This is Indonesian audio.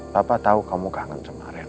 papa tahu kamu kangen sama rena